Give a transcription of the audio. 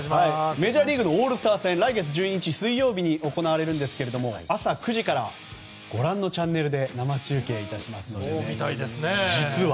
メジャーリーグのオールスター戦は来月１２日の水曜日に行われるんですが朝９時からはご覧のチャンネルで生中継いたします。